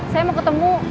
saya mau ketemu